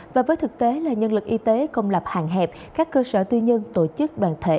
và với thực tế là nhân lực y tế công lập hàng hẹp các cơ sở tư nhân tổ chức đoàn thể